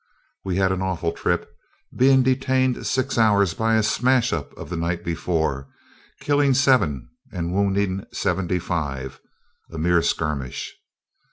We had an awful trip, being detained six hours by a smash up of the night before, killing seven and wounding seventy five, a mere skirmish.